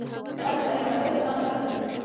د باز په څاړي حمله كول ځان له کار کتل دي۔